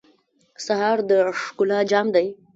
سهار د ښکلا جام دی.